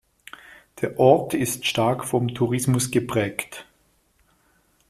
Der Ort ist stark vom Tourismus geprägt.